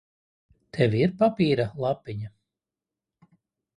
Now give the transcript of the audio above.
Tev ir papīra lapiņa?